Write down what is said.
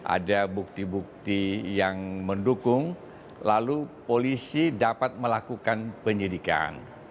ada bukti bukti yang mendukung lalu polisi dapat melakukan penyidikan